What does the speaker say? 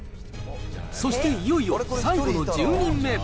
そしていよいよ、最後の１０人目。